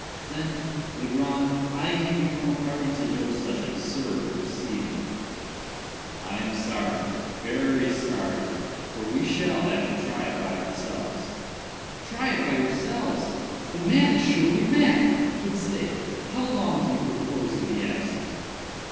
"Then, Legrand, I can become a party to no such absurd proceeding." "I am sorry—very sorry—for we shall have to try it by ourselves." "Try it by yourselves! The man is surely mad!—but stay!—how long do you propose to be absent?"